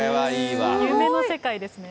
夢の世界ですね。